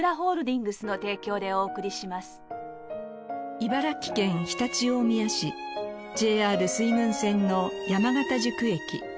茨城県常陸大宮市ＪＲ水郡線の山方宿駅。